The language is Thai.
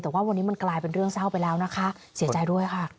แต่ว่าวันนี้มันกลายเป็นเรื่องเศร้าไปแล้วนะคะเสียใจด้วยค่ะ